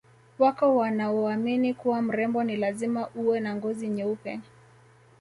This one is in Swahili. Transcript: Wako wanaoamini kuwa mrembo ni lazima uwe na ngozi nyeupe